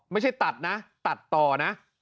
ไม่ใช่ตัดนะตัดต่อนะ